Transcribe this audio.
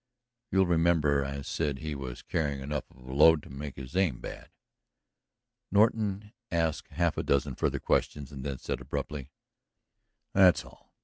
"You'll remember I said he was carrying enough of a load to make his aim bad." Norton asked half a dozen further questions and then said abruptly: "That's all.